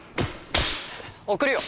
送るよ